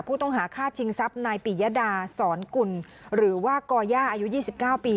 ผู้ต้องหาฆ่าชิงทรัพย์นายปิยดาสอนกุลหรือว่าก่อย่าอายุ๒๙ปี